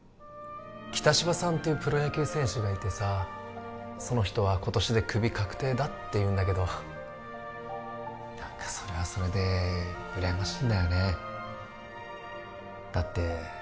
北芝さんっていうプロ野球選手がいてさその人は今年でクビ確定だっていうんだけど何かそれはそれで羨ましいんだよねだって